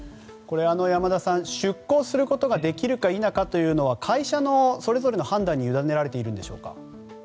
山田さん、出航することができるか否かというのは会社のそれぞれの判断にゆだねられているんですか？